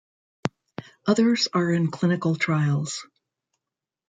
Others are in clinical trials.